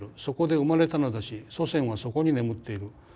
そこで生まれたのだし祖先はそこに眠っている。